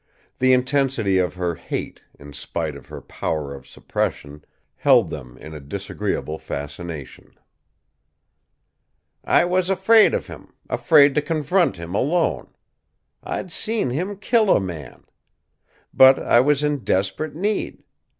The intensity of her hate, in spite of her power of suppression, held them in a disagreeable fascination. "I was afraid of him, afraid to confront him alone. I'd seen him kill a man. But I was in desperate need.